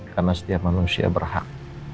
karena setiap manusia berhak